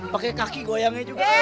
pakai kaki goyangnya juga